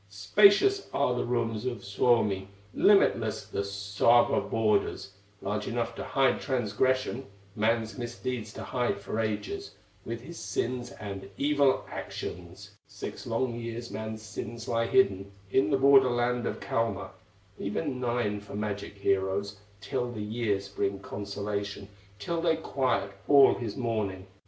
Spacious are the rooms of Suomi, Limitless the Sawa borders, Large enough to hide transgression, Man's misdeeds to hide for ages, With his sins and evil actions. Six long years man's sins lie hidden In the border land of Kalma, Even nine for magic heroes, Till the years bring consolation, Till they quiet all his mourning."